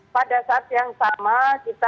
pada saat yang sama kita